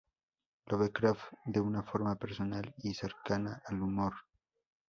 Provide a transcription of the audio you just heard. Lovecraft de una forma personal y cercana al humor.